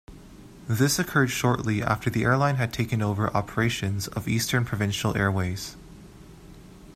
This occurred shortly after the airline had taken over operations of Eastern Provincial Airways.